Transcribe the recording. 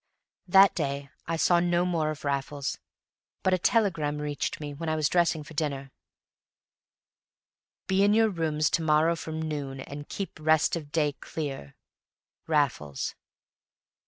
That day I saw no more of Raffles, but a telegram reached me when I was dressing for dinner: "Be in your rooms to morrow from noon and keep rest of day clear, Raffles."